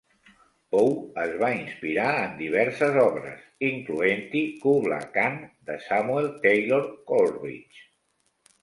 Poe es va inspirar en diverses obres, incloent-hi Kubla Khant de Samuel Taylor Coleridge.